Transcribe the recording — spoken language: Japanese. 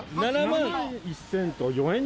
７万１，００４円。